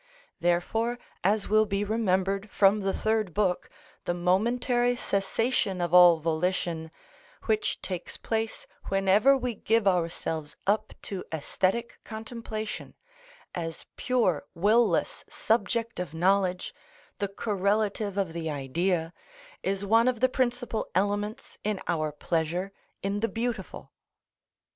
(Therefore, as will be remembered, from the Third Book, the momentary cessation of all volition, which takes place whenever we give ourselves up to æsthetic contemplation, as pure will less subject of knowledge, the correlative of the Idea, is one of the principal elements in our pleasure in the beautiful.)